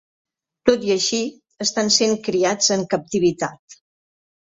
Tot i així, estan sent criats en captivitat.